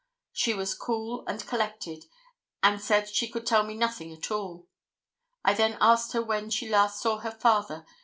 She was cool and collected, and said she could tell me nothing at all. I then asked her when she last saw her father.